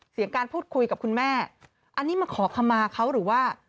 การพูดคุยกับคุณแม่อันนี้มาขอคำมาเขาหรือว่า